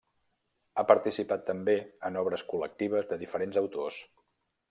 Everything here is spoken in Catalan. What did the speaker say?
Ha participat, també, en obres col·lectives de diferents autors.